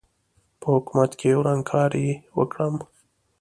په حکومت کې ورانکاري وکړم.